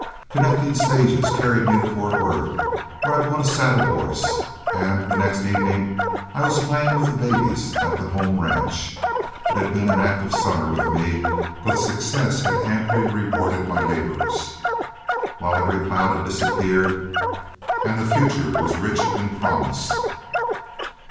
Connecting stages carried me to Fort Worth, where I bought a saddle horse, and the next evening I was playing with the babies at the home ranch. It had been an active summer with me, but success had amply rewarded my labors, while every cloud had disappeared and the future was rich in promise.